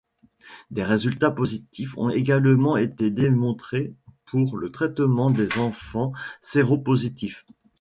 Des résultats positifs ont également été démontrés pour le traitement des enfants séropositifs.